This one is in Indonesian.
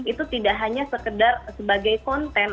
itu tidak hanya sekedar sebagai konten